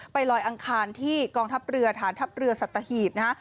ลอยอังคารที่กองทัพเรือฐานทัพเรือสัตหีบนะฮะ